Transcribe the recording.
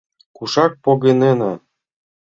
Кушак погынена?